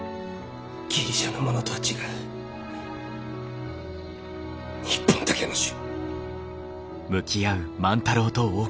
ギリシャのものとは違う日本だけの種！